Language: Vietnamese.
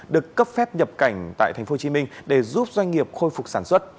được cấp phép nhập cảnh tại tp hcm để giúp doanh nghiệp khôi phục sản xuất